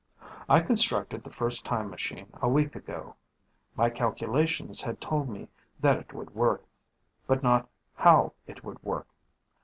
"I constructed the first time machine a week ago. My calculations had told me that it would work, but not how it would work.